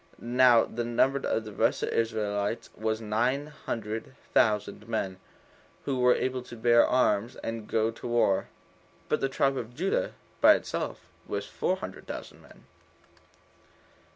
Now the number of the rest of the Israelites was nine hundred thousand men, who were able to bear arms and go to war; but the tribe of Judah, by itself, was four hundred thousand men.